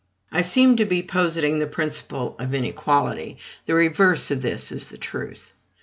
I seem to be positing the principle of inequality: the reverse of this is the truth.